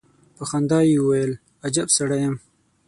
په خندا يې وويل: اجب سړی يم.